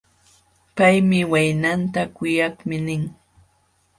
Paymi waynanta: kuyakmi nin.